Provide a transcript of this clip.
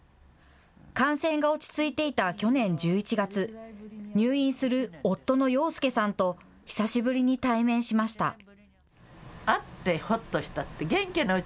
感染が落ち着いていた去年１１月、入院する夫の洋介さんと久しぶりに対面しました。